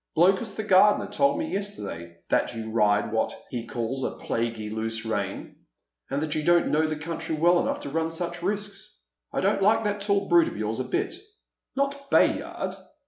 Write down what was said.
" Blokus, the gardener, told me yesterday that you ride with what he calls a ' plaguey loose rein,' and that you don't know the country well enough to run such risks. I don't like that tall brute of yours a bit." " Not Bayard